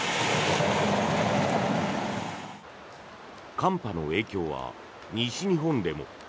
寒波の影響は西日本でも。